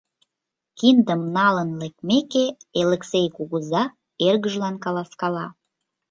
Киндым налын лекмеке, Элексей кугыза эргыжлан каласкала.